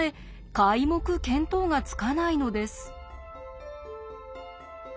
皆目見当がつかないのです。